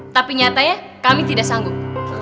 tapi nyatanya kami tidak sanggup